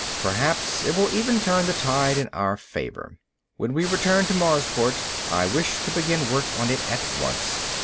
Perhaps it will even turn the tide in our favor. When we return to Marsport I wish to begin work on it at once.